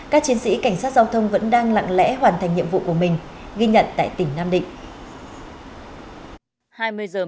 các chiến sĩ cảnh sát giao thông vẫn đang lặng lẽ hoàn thành nhiệm vụ của mình ghi nhận tại tỉnh nam định